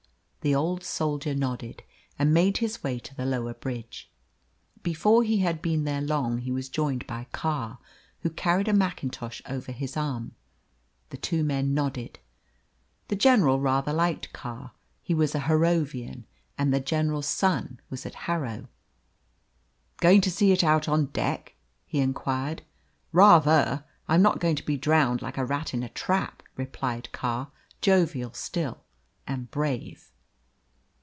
The old soldier nodded, and made his way to the lower bridge. Before he had been there long he was joined by Carr, who carried a mackintosh over his arm. The two men nodded. The general rather liked Carr. He was a Harrovian, and the general's son was at Harrow. "Going to see it out on deck?" he inquired. "Rather. I'm not going to be drowned like a rat in a trap!" replied Carr, jovial still, and brave.